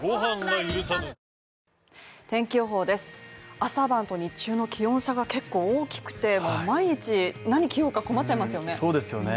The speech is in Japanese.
朝晩と日中の気温差が結構大きくて、毎日何着ようか困っちゃいますよね